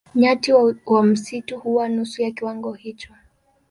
Nyati wa msitu huwa nusu ya kiwango hicho.